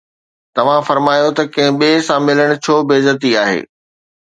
توهان فرمايو ته ڪنهن ٻئي سان ملڻ ڇو بي عزتي آهي؟